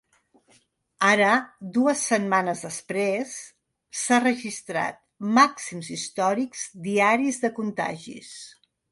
Ara, dues setmanes després, s’ha registrat màxims històrics diaris de contagis.